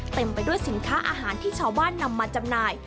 เต็มไปด้วยสินค้าอาหารที่ชาวบ้านนำมาจำหน่าย